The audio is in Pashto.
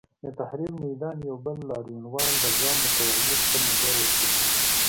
د تحریر میدان یو بل لاریونوال رضا متوالي خپل نظر ورکوي.